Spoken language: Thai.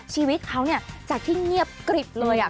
ชีวิตเขาเนี่ยจากที่เงียบกริบเลย